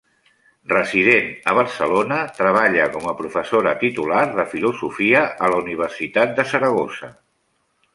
Resident a Barcelona, treballa com a professora titular de filosofia a la Universitat de Saragossa.